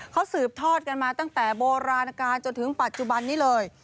เขาสืบทอดกันมาตั้งแต่โบราณการจนถึงปัจจุบันนี้เลย